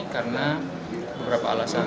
karena beberapa alasan